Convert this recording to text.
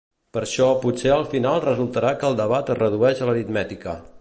Per això, potser al final resultarà que el debat es redueix a l’aritmètica.